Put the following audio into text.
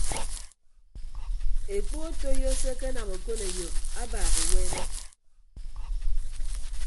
Ekpu otoiyo se ekenam okoneyo abaak uweeme.